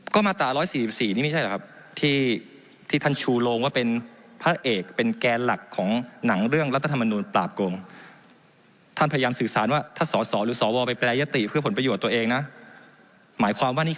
ก็มาตรา๑๔๔นี้ไม่ใช่หรอกครับที่ท่านชูโรงว่าเป็น